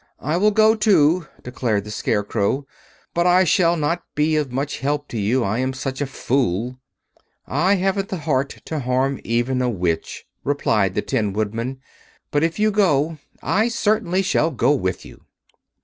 "I will go too," declared the Scarecrow; "but I shall not be of much help to you, I am such a fool." "I haven't the heart to harm even a Witch," remarked the Tin Woodman; "but if you go I certainly shall go with you."